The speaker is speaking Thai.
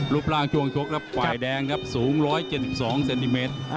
รูปร่างช่วงชกแล้วฝ่ายแดงครับสูง๑๗๒เซนติเมตร